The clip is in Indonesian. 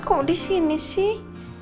kok disini sih